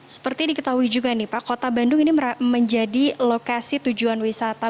seperti diketahui juga nih pak kota bandung ini menjadi lokasi tujuan wisata